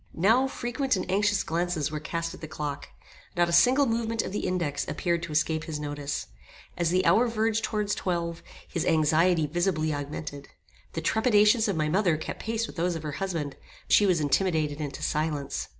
Now frequent and anxious glances were cast at the clock. Not a single movement of the index appeared to escape his notice. As the hour verged towards twelve his anxiety visibly augmented. The trepidations of my mother kept pace with those of her husband; but she was intimidated into silence.